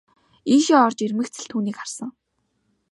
Ийшээ орж ирмэгц л түүнийг харсан.